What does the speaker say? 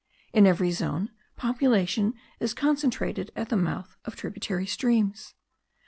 In every zone, population is concentred at the mouth of tributary streams.